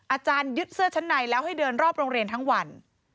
อาจารยึดเสื้อชั้นในแล้วให้เดินรอบโรงเรียนทั้งวัน